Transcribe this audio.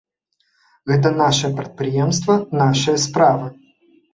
Гэта нашае прадпрыемства, нашыя справы.